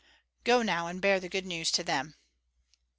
"Go now, and bear the good news to them."